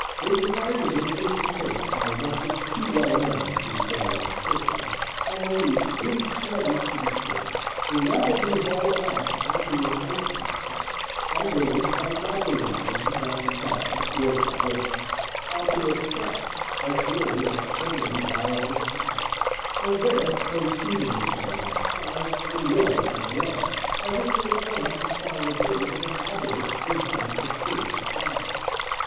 They divided it into cakes by methods too well known to require description, and these, being sledded to the shore, were rapidly hauled off on to an ice platform, and raised by grappling irons and block and tackle, worked by horses, on to a stack, as surely as so many barrels of flour, and there placed evenly side by side, and row upon row, as if they formed the solid base of an obelisk designed to pierce the clouds.